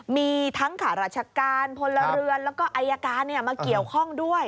มีทั้งขาราชการพลเรือนแล้วก็อายการมาเกี่ยวข้องด้วย